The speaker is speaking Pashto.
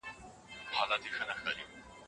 په لاس لیکل د ستړیا په وخت کي ذهن بوخت ساتي.